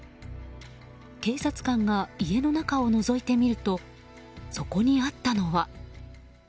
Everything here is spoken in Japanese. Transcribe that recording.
警察官が家の中をのぞいてみるとそこにあったのは。